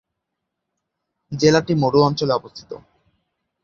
জেলাটি মরু অঞ্চলে অবস্থিত।